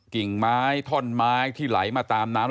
กิ่งไม้ท่อนไม้ที่ไหลมาตามน้ำ